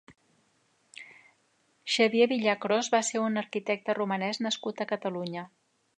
Xavier Villacrosse va ser un arquitecte romanès nascut a Catalunya.